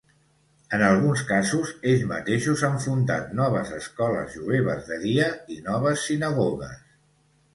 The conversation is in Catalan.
En alguns casos, ells mateixos han fundat noves escoles jueves de dia, i noves sinagogues.